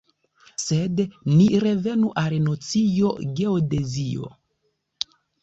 Sed ni revenu al nocio "geodezio".